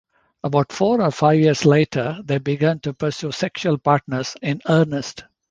About four or five years later, they begin to pursue sexual partners in earnest.